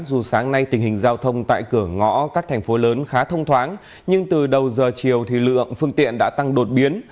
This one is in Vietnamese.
lực lượng cảnh sát giao thông tại cửa ngõ các thành phố lớn khá thông thoáng nhưng từ đầu giờ chiều thì lượng phương tiện đã tăng đột biến